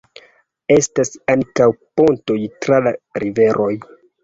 Estas ankaŭ pontoj tra la riveroj.